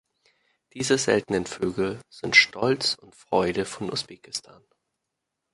Diese seltenen Vögel sind Stolz und Freude von Usbekistan.